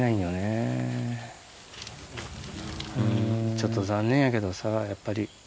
ちょっと残念やけどさやっぱり。